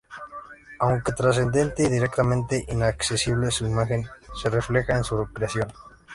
Aunque trascendente y directamente inaccesible, su imagen se refleja en su creación.